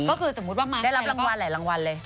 ก็คือสมมุติว่ามาร์คได้รับรางวัลหลายเลย